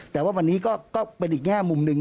แต่ว่าวันนี้ก็เป็นอีกแง่มุมหนึ่ง